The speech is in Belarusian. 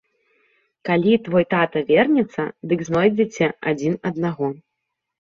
Калі твой тата вернецца, дык знойдзеце адзін аднаго.